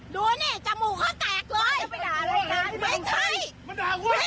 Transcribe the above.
พี่ทำเขาอย่างงี้ไม่ได้